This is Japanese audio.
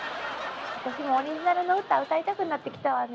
私もオリジナルの歌歌いたくなってきたわね。